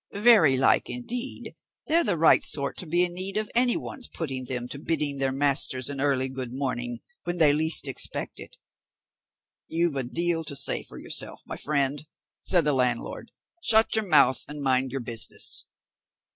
Very like indeed they're the right sort to be in need of any one's putting them to bidding their masters an early good morning, when they least expect it." "You've a deal to say for yourself, my friend," said the landlord; "shut your mouth and mind your business."